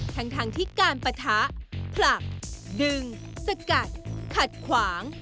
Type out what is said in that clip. ทั้งที่การปะทะผลักดึงสกัดขัดขวาง